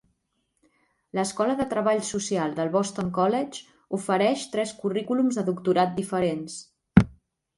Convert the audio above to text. L'escola de treball social del Boston College ofereix tres currículums de doctorat diferents.